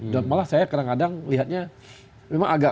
dan malah saya kadang kadang lihatnya memang agak